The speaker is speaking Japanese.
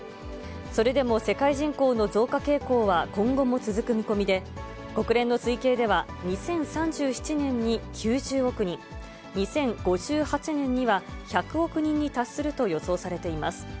それでも世界人口の増加傾向は今後も続く見込みで、国連の推計では、２０３７年に９０億人、２０５８年には１００億人に達すると予想されています。